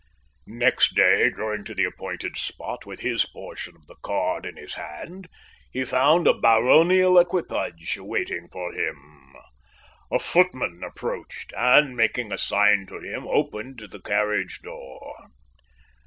Next day, going to the appointed spot, with his portion of the card in his hand, he found a baronial equipage waiting for him. A footman approached, and, making a sign to him, opened the carriage door.